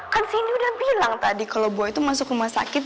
kan sini udah bilang tadi kalo boy tuh masuk rumah sakit